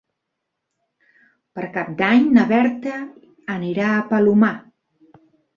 Per Cap d'Any na Berta anirà al Palomar.